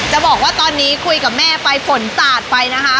จะบอกว่าตอนนี้คุยกับแม่ไปฝนสาดไปนะคะ